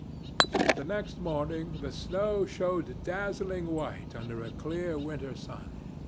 The next morning the snow showed dazzling white tinder a clear winter sun.